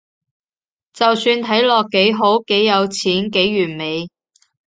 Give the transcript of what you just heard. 就算睇落幾好，幾有錢，幾完美